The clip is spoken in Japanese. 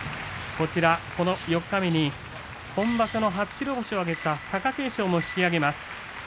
この四日目に今場所の初白星を挙げた貴景勝も引き揚げます。